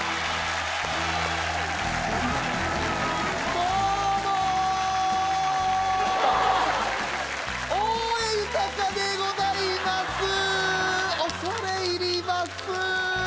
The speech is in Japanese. どうも大江裕でございます恐れ入ります